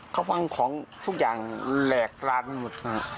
เขาพังของพวกอย่างแหลกร้านหมดนะครับ